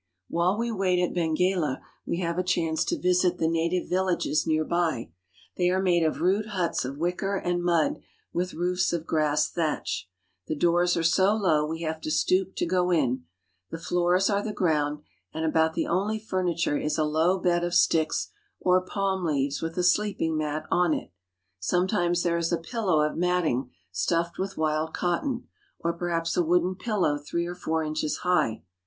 While we wait at Benguela we have a chance to visit the native villages near by. They are made of rude huts of wicker and mud with roofs of grass thatch. The doors are so low we have to stoop to go in ; the floors are the ground, and about the only furniture is a low bed of sticks or palm leaves with a sleeping mat on it. Sometimes there is a pillow of matting, stuffed with wild cotton, or perhaps a wooden pillow three or four inches high.